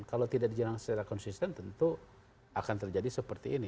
kalau tidak dijalankan secara konsisten tentu akan terjadi seperti ini